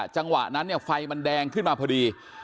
จังหวะนั้นเนี่ยไฟมันแดงขึ้นมาพอดี